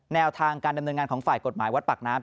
แนวทางการดำเนินงานของฝ่ายกฎหมายวัดปากน้ำ